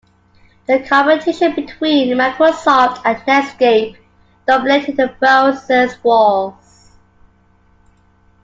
The competition between Microsoft and Netscape dominated the Browser Wars.